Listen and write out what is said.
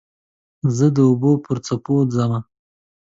زه د اوبو پر څپو ځمه